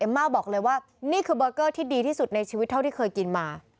ม่าบอกเลยว่านี่คือเบอร์เกอร์ที่ดีที่สุดในชีวิตเท่าที่เคยกินมา